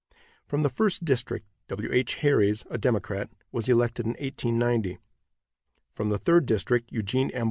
From the first district W. H. Harries, a Democrat, was elected in 1890. From the Third district Eugene M.